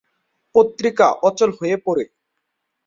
পত্রিকা অচল হয়ে পড়ে।